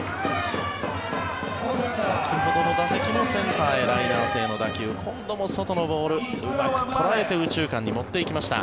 先ほどの打席もセンターへライナー性の打球今度も外のボール、うまく捉えて右中間に持っていきました。